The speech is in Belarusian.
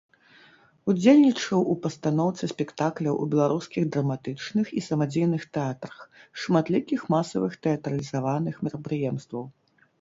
Удзельнічаў у пастаноўцы спектакляў у беларускіх драматычных і самадзейных тэатрах, шматлікіх масавых тэатралізаваных мерапрыемстваў.